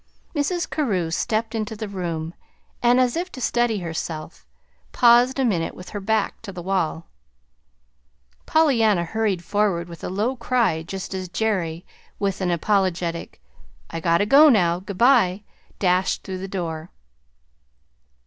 Mrs. Carew stepped into the room and, as if to steady herself, paused a minute with her back to the wall. Pollyanna hurried forward with a low cry just as Jerry, with an apologetic "I gotta go now; good by!" dashed through the door.